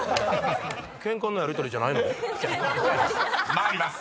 ［参ります。